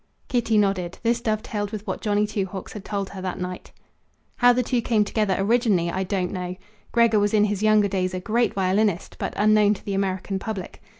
Kitty nodded. This dovetailed with what Johnny Two Hawks had told her that night. "How the two came together originally I don't know. Gregor was in his younger days a great violinist, but unknown to the American public.